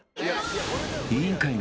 ［『委員会』の］